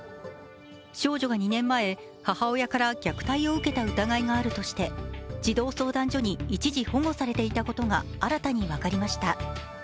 少女が２年前、母親から虐待を受けた疑いがあるとして児童相談所に一時保護されていたことが新たに分かりました。